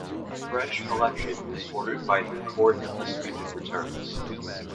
A fresh election was ordered by the Court of Disputed Returns.